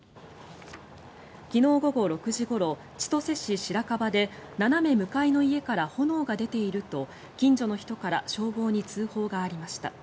昨日午後６時ごろ、千歳市白樺で斜め向かいの家から炎が出ていると近所の人から消防に通報がありました。